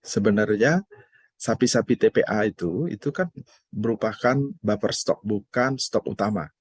sebenarnya sapi sapi tpa itu itu kan merupakan buffer stok bukan stok utama